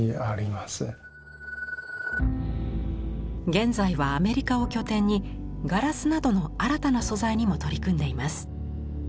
現在はアメリカを拠点にガラスなどの新たな素材にも取り組んでいます。